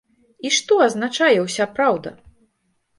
І што азначае ўся праўда?